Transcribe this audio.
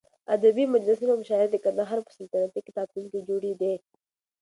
ادبي مجلسونه او مشاعرې د قندهار په سلطنتي کتابتون کې جوړېدې.